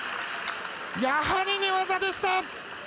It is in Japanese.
やはり寝技でした！